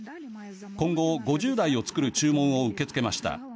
今後、５０台を造る注文を受け付けました。